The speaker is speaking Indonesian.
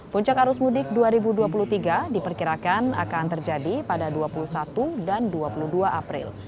puncak arus mudik dua ribu dua puluh tiga diperkirakan akan terjadi pada dua puluh satu dan dua puluh dua april